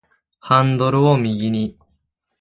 ハンドルを右に